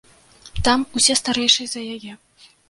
Там усе старэйшыя за яе.